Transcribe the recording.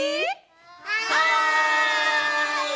はい！